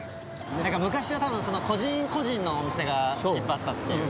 昔はたぶん、個人個人のお店がいっぱいあったっていうか。